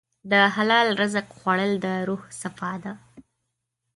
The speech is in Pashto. د حلال رزق خوړل د روح صفا ده.